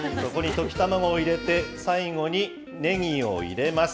溶き卵を入れて、最後にねぎを入れます。